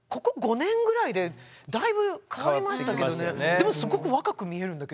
でもすごく若く見えるんだけどね。